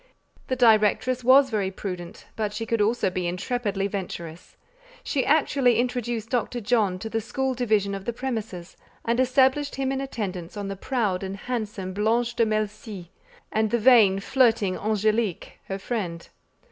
The directress was very prudent, but she could also be intrepidly venturous. She actually introduced Dr. John to the school division of the premises, and established him in attendance on the proud and handsome Blanche de Melcy, and the vain, flirting Angélique, her friend.